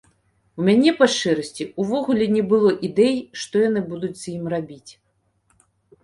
У мяне, па шчырасці, увогуле не было ідэй, што яны будуць з ім рабіць.